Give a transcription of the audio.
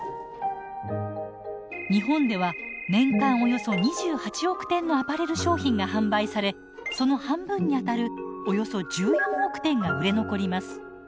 日本では年間およそ２８億点のアパレル商品が販売されその半分にあたるおよそ１４億点が売れ残ります。